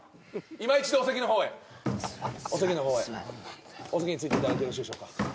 今一度お席の方へお席の方へお席についていただいてよろしいでしょうか